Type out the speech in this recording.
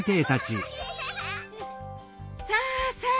さあさあ